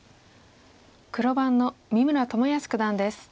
黒番の三村智保九段です。